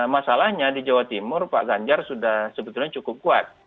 masalahnya di jawa timur pak ganjar sudah sebetulnya cukup kuat